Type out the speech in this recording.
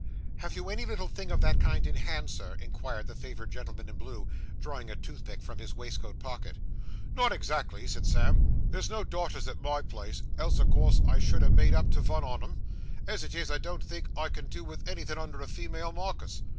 'Have you any little thing of that kind in hand, sir?' inquired the favoured gentleman in blue, drawing a toothpick from his waistcoat pocket. 'Not exactly,' said Sam. 'There's no daughters at my place, else o' course I should ha' made up to vun on 'em. As it is, I don't think I can do with anythin' under a female markis.